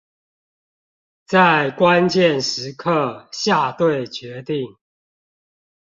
在關鍵時刻下對決定